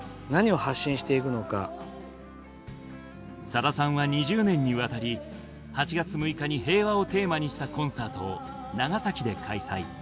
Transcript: さださんは２０年にわたり８月６日に平和をテーマにしたコンサートを長崎で開催。